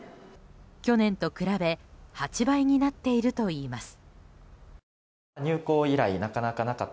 去年と比べ８倍になっているといいます。